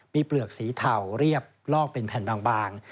มีเปลือกสีเทาเรียบลอกเป็นแผ่นบาง